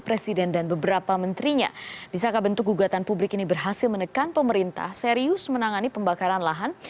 presiden dan beberapa menterinya bisakah bentuk gugatan publik ini berhasil menekan pemerintah serius menangani pembakaran lahan